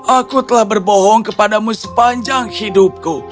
aku telah berbohong kepadamu sepanjang hidupku